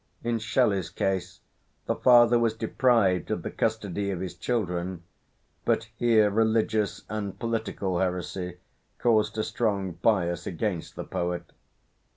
In Shelley's case the father was deprived of the custody of his children, but here religious and political heresy caused a strong bias against the poet.